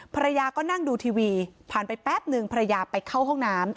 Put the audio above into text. ภรรยาก็นั่งดูทีวีผ่านไปแป๊บนึงภรรยาไปเข้าห้องน้ำ